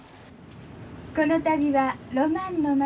この度はロマンの街